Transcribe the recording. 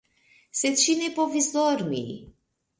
Sed ŝi ne povis dormi.